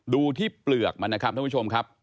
ดูที่เปลือกมันนะครับท่านผู้ชมครับ